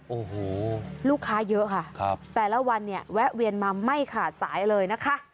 โอ้โหลูกค้าเยอะค่ะแต่ละวันเนี่ยแวะเวียนมาไม่ขาดสายเลยนะคะ